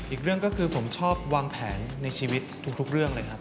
อีกเรื่องก็คือผมชอบวางแผนในชีวิตทุกเรื่องเลยครับ